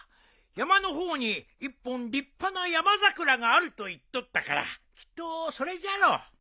山の方に１本立派な山桜があると言っとったからきっとそれじゃろ。